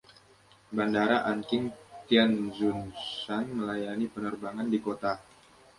Bandara Anqing Tianzhushan melayani penerbangan di kota.